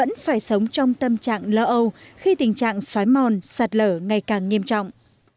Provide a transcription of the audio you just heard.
hàng nghìn người dân sống vang sông trà bồng vẫn phải sống trong tâm trạng lỡ âu khi tình trạng xói mòn sạt lở ngày càng nghiêm trọng